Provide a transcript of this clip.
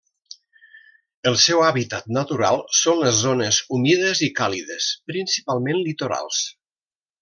El seu hàbitat natural són les zones humides i càlides, principalment litorals.